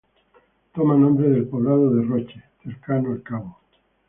Toma nombre del poblado de Roche, cercano al cabo.